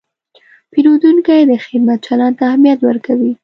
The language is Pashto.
پیرودونکی د خدمت چلند ته اهمیت ورکوي.